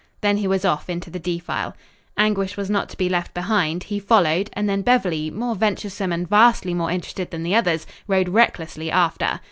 Then he was off into the defile. Anguish was not to be left behind. He followed, and then Beverly, more venturesome and vastly more interested than the others, rode recklessly after.